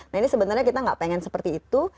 nah ini sebenarnya kita nggak pengen seperti itu